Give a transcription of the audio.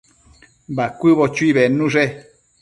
Bacuëbo chuinu bednushe